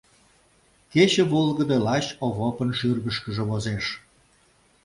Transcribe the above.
Кече волгыдо лач Овопын шӱргышкыжӧ возеш.